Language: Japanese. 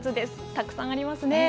たくさんありますね。